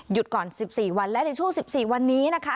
ก่อน๑๔วันและในช่วง๑๔วันนี้นะคะ